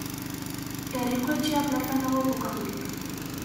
Herriko Etxea plazan dago kokaturik.